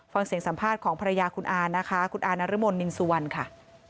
ฟังเสียงสัมภาษณ์ของภรรยาคุณอานะคะคุณอานรมนนินสุวรรณค่ะ